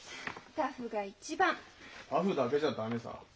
タフだけじゃ駄目さ。